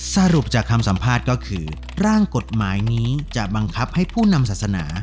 สรุปจากคำสัมภาษณ์ก็คือร่างกฎหมายนี้จะบังคับให้ผู้นำศาสนา